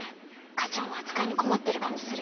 課長も扱いに困ってる感じする。